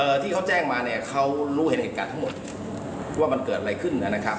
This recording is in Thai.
ที่เขาแจ้งมาเนี่ยเขารู้เห็นเหตุการณ์ทั้งหมดว่ามันเกิดอะไรขึ้นนะครับ